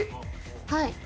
はい。